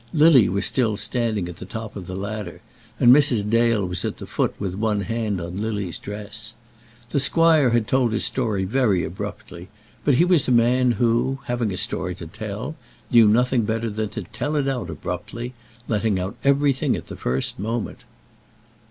Lily was still standing at the top of the ladder, and Mrs. Dale was at the foot with one hand on Lily's dress. The squire had told his story very abruptly, but he was a man who, having a story to tell, knew nothing better than to tell it out abruptly, letting out everything at the first moment.